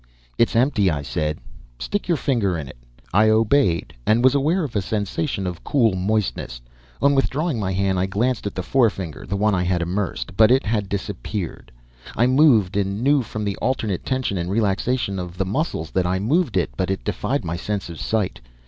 "It's empty," I said. "Stick your finger in it." I obeyed, and was aware of a sensation of cool moistness. On withdrawing my hand I glanced at the forefinger, the one I had immersed, but it had disappeared. I moved and knew from the alternate tension and relaxation of the muscles that I moved it, but it defied my sense of sight.